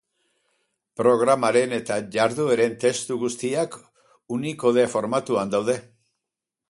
Programaren eta jardueren testu guztiak Unicode formatuan daude.